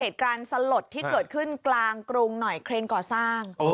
เหตุการณ์สลดที่เกิดขึ้นกลางกรุงหน่อยเครนก่อสร้าง